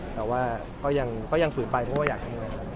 แต่ว่าก็ยังฝืนไปเพราะว่าอยากทำงาน